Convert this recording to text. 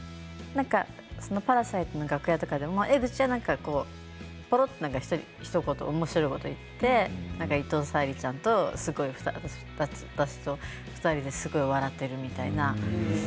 「パラサイト」の楽屋でも江口がひと言おもしろいことを言って伊藤沙莉ちゃんと私と２人ですごく笑っているみたいな。